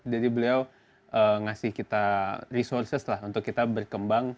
jadi beliau ngasih kita resources lah untuk kita berkembang